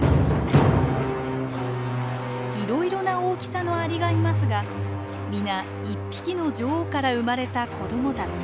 いろいろな大きさのアリがいますが皆一匹の女王から生まれた子供たち。